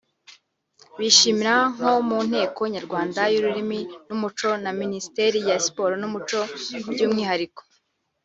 bishimira nko mu Nteko Nyarwanda y’ururimi n’umuco na Minisiteri ya Siporo n’Umuco by’umwihariko